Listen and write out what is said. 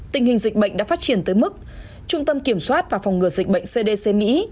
tình hình dịch bệnh đã phát triển tới mức trung tâm kiểm soát và phòng ngừa dịch bệnh cdc mỹ